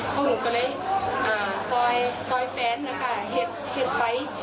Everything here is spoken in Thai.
พวกหนูก็เลยอ่าซอยซอยแฟนด์นะคะเห็ดเห็ดไฟท์